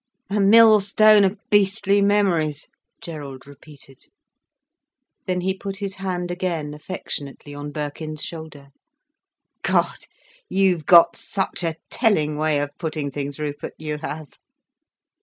"A mill stone of beastly memories!" Gerald repeated. Then he put his hand again affectionately on Birkin's shoulder. "God, you've got such a telling way of putting things, Rupert, you have."